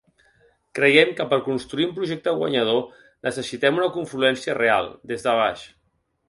Creiem que per construir un projecte guanyador necessitem una confluència real, des de baix.